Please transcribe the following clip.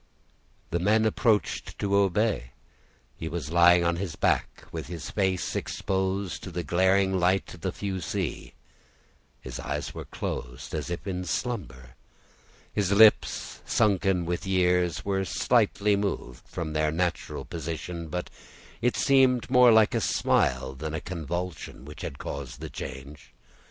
The men approached to obey. He was lying on his back, with his face exposed to the glaring light of the fusee; his eyes were closed, as if in slumber; his lips, sunken with years, were slightly moved from their natural position, but it seemed more like a smile than a convulsion which had caused the change.